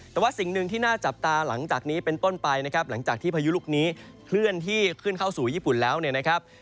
แต่ว่าสิ่งหนึ่งที่น่าจับตาหลังจากนี้เป็นต้นไปนะครับหลังจากที่พายุลูกนี้เคลื่อนที่ขึ้นเข้าสู่ญี่ปุ่นแล้วเนี่ยนะครับ